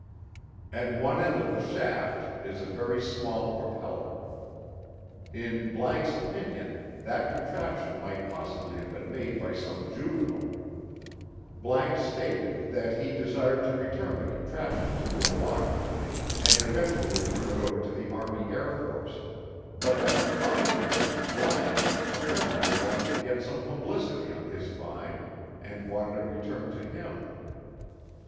At one end of the shaft is a very small propeller. In ____ opinion that contraption might possibly have been made by some juvenile. ____ stated that he desired to return the contraption to Milwaukee and eventually turn it over to the Army Air Forces, but that the finder, ____ apparently wanted to get some publicity on his find and wanted it returned to him.